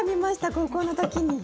高校の時に。